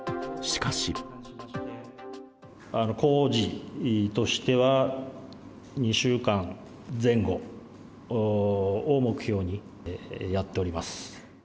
工事としては、２週間前後を目標にやっております。